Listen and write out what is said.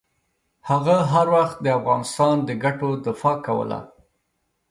هغه هر وخت د افغانستان د ګټو دفاع کوله.